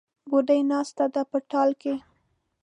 بوډۍ ناسته ده په ټال کې